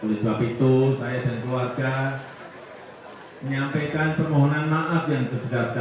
oleh sebab itu saya dan keluarga menyampaikan permohonan maaf yang sebesar besarnya